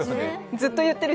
ずっと言ってる。